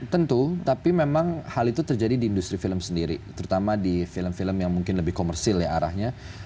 tentu tapi memang hal itu terjadi di industri film sendiri terutama di film film yang mungkin lebih komersil ya arahnya